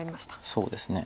そうですね。